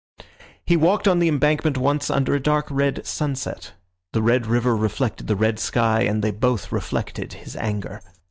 He walked on the Embankment once under a dark red sunset. The red river reflected the red sky, and they both reflected his anger.